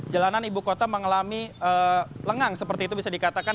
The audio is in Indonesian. jalanan ibu kota mengalami lengang seperti itu bisa dikatakan